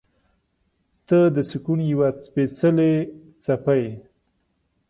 • ته د سکون یوه سپېڅلې څپه یې.